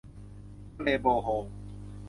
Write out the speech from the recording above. ทะเลโบโฮล